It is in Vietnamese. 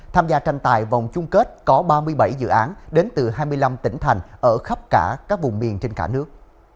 tham gia tranh tài vòng chung kết có ba mươi bảy dự án đến từ hai mươi năm tỉnh thành ở khắp cả các vùng miền trên cả nước